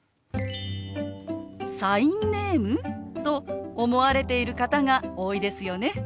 「サインネーム？」と思われている方が多いですよね。